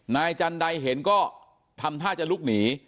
นายจันใดเห็นก็ทำท่าจะลุกหนี